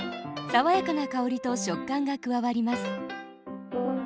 さわやかな香りと食感が加わります。